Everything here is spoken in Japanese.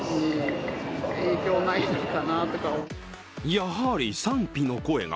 やはり賛否の声が。